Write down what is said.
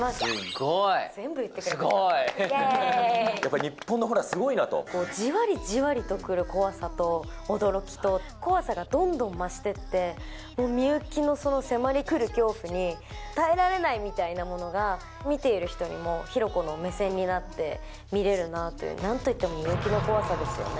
やっぱ日本のホラーすごいなじわりじわりとくる怖さと驚きと、怖さがどんどん増していって、美雪の迫りくる恐怖に、耐えられないみたいなものが、見ている人にも、比呂子の目線になって見れるなという、なんといっても美雪の怖さですよね。